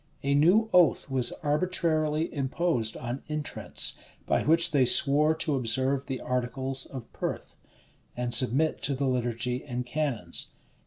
[] A new oath was arbitrarily imposed on intrants, by which they swore to observe the articles of Perth, and submit to the liturgy and canons.